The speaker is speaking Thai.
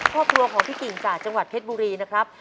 ครอบครัวของพี่กิ่งจากจังหวัดเพชรบุรีนะครับ